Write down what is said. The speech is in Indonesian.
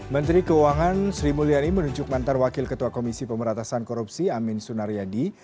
menteri keuangan sri mulyani menunjuk mantar wakil ketua komisi pemeratasan korupsi amin sunaryadi